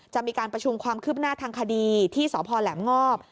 จะชุมความคืบหน้าทางคดีที่สพหลังงอบ